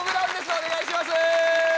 お願いします！